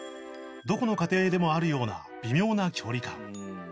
どこの家庭でもあるような微妙な距離感